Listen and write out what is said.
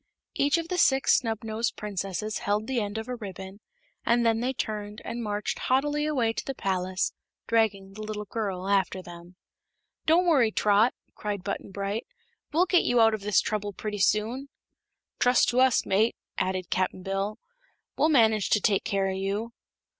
Each of the Six Snubnosed Princesses held the end of a ribbon, and then they turned and marched haughtily away to the palace, dragging the little girl after them. "Don't worry, Trot," cried Button Bright; "we'll get you out of this trouble pretty soon." "Trust to us, mate," added Cap'n Bill; "we'll manage to take care o' you."